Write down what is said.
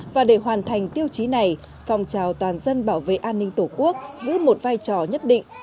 và để hoàn thành tiêu chí này phong trào toàn dân bảo vệ an ninh tổ quốc giữ một vai trò nhất định